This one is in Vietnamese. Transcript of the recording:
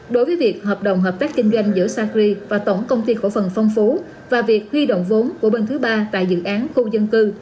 đối với việc hợp đồng hợp tác kinh doanh giữa sacri và tổng công ty cổ phần phong phú và việc huy động vốn của bên thứ ba tại dự án khu dân cư